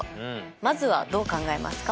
まずはどう考えますか？